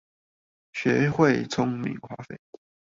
學會聰明花費